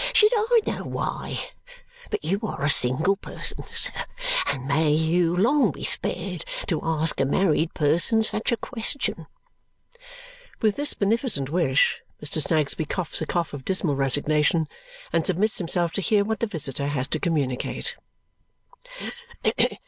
"How should I know why? But you are a single person, sir, and may you long be spared to ask a married person such a question!" With this beneficent wish, Mr. Snagsby coughs a cough of dismal resignation and submits himself to hear what the visitor has to communicate.